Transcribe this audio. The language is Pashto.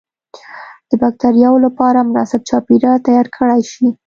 د بکترياوو لپاره مناسب چاپیریال تیار کړای شي.